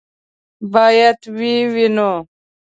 باید ویې وینو.